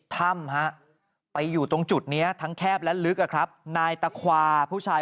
ถ้ำฮะไปอยู่ตรงจุดนี้ทั้งแคบและลึกอะครับนายตะควาผู้ชาย